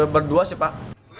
berdua sih pak